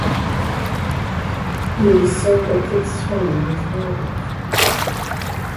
Please send the kids home with one each week.